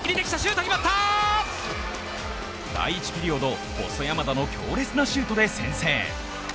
第１ピリオド、細山田の強烈なシュートで先制。